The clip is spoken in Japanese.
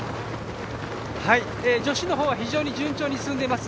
女子の方は非常に順調に進んでいます。